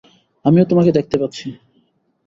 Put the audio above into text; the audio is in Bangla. আমিও তোমাকে দেখতে পাচ্ছি।